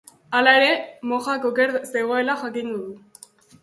Hala ere, mojak oker zegoela jakingo du.